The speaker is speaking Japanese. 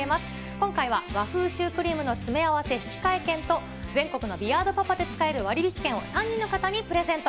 今回は和風シュークリームの詰め合わせ引換券と、全国のビアードパパで使える割引券を３人の方にプレゼント。